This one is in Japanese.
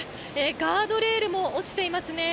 ガードレールも落ちていますね。